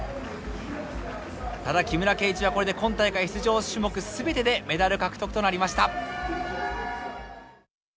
ただ木村敬一はこれで今回の出場種目全てでメダル獲得となりました。